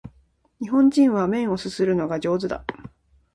日本人は麺を啜るのが上手だ